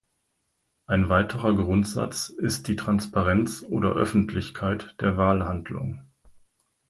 Ein weiterer Grundsatz ist die "Transparenz" oder "Öffentlichkeit" der Wahlhandlung.